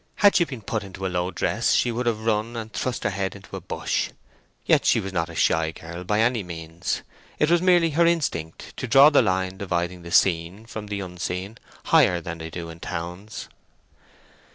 Had she been put into a low dress she would have run and thrust her head into a bush. Yet she was not a shy girl by any means; it was merely her instinct to draw the line dividing the seen from the unseen higher than they do it in towns.